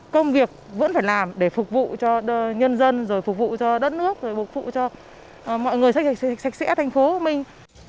công việc vẫn phải làm để phục vụ cho nhân dân phục vụ cho đất nước phục vụ cho mọi người sạch sẽ thành phố của mình